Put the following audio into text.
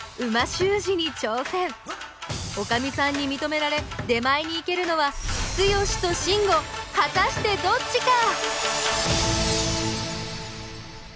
おかみさんにみとめられ出前に行けるのはツヨシとシンゴ果たしてどっちか！？